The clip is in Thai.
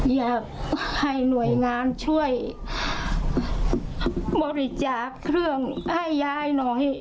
อยากให้หน่วยงานช่วยบริจาคเครื่องให้ยายหน่อย